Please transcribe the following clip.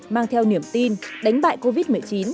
mang theo niềm tin đánh bại covid một mươi chín